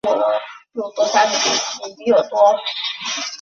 之后开始一场问题多多的亲子之旅。